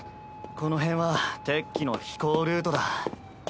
この辺は敵機の飛行ルートだ。